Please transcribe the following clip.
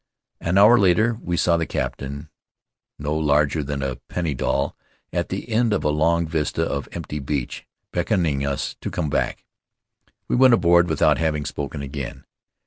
An hour later we saw the captain, no larger than a penny doll, at the end of a long vista of empty beach, beckoning us to come back. We went aboard without having spoken again.